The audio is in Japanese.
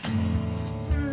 うん。